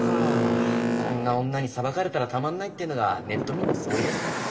こんな女に裁かれたらたまんないっていうのがネット民の総意ですね。